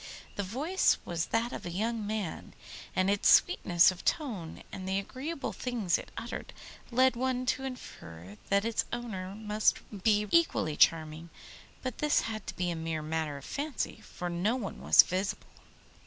The voice was that of a young man, and its sweetness of tone and the agreeable things it uttered, led one to infer that its owner must be equally charming; but this had to be a mere matter of fancy, for no one was visible.